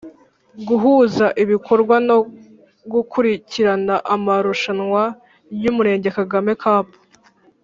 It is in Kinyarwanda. Guhuza ibikorwa no gukurikirana amarushanwa y Umurenge Kagame Cup